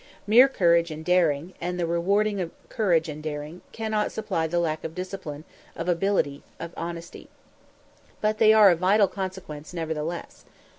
Mere courage and daring, and the rewarding of courage and daring, cannot supply the lack of discipline, of ability, of honesty. But they are of vital consequence, nevertheless.